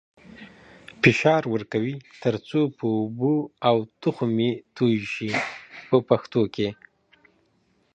فشار ورکوي تر څو چې اوبه او تخم یې توی شي په پښتو کې.